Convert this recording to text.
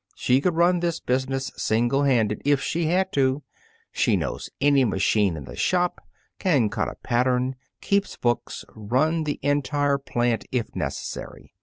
She could run this business single handed, if she had to. She knows any machine in the shop, can cut a pattern, keep books, run the entire plant if necessary.